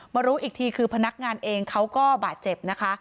รู้อีกทีคือพนักงานเองเขาก็บาดเจ็บนะคะ